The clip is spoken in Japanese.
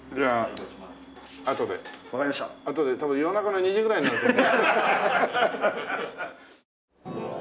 あとで多分夜中の２時ぐらいになると思う。